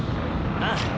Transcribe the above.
ああ。